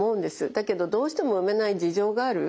だけどどうしても産めない事情がある。